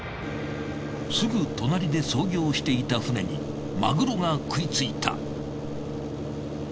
すぐ隣で操業していた船にマグロが喰いついた。